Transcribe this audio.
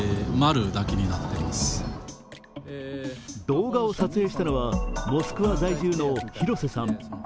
動画を撮影したのは、モスクワ在住の廣瀬さん。